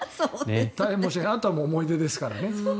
あとは思い出ですからね。